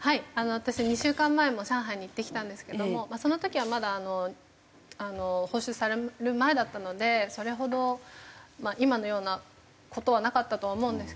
私２週間前も上海に行ってきたんですけどもその時はまだ放出される前だったのでそれほど今のような事はなかったと思うんですけど。